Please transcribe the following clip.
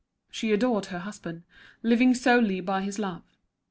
She adored her husband, living solely by his love.